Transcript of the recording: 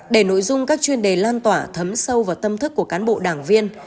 để nội dung các chuyên đề lan tỏa thấm sâu vào tâm thức của cán bộ đảng viên